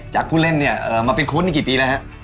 จากผู้เล่นเนี่ยมาเป็นโคชในกี่ปีแล้วครับ